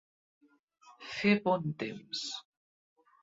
Fer bon temps.